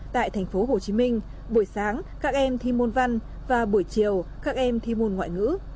tại thành phố hồ chí minh buổi sáng các em thi môn văn và buổi chiều các em thi môn ngoại ngữ